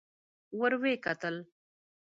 ور ويې کتل.